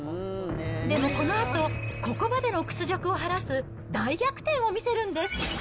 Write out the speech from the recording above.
でもこのあと、ここまでの屈辱を晴らす大逆転を見せるんです。